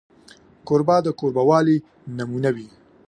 کوربه د کوربهوالي نمونه وي.